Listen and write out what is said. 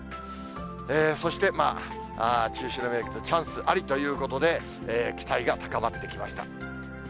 そして中秋の名月、チャンスありということで、期待が高まってきました。